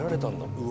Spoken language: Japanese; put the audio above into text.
うわ。